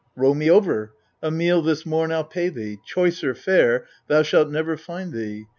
3. Row me over! A meal this morn I'll pay thee, choicer fare thou shalt never find thee.